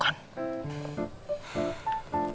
kenapa tidak cocok